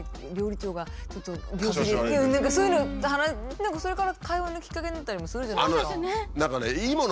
何かそれから会話のきっかけになったりもするじゃないですか。